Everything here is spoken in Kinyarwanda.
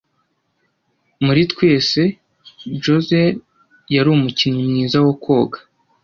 Muri twese, Josehl yari umukinnyi mwiza wo koga.